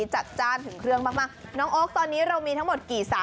เฮ้ยเร็วนะคะ